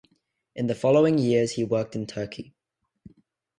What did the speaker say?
In the following years he worked in Turkey.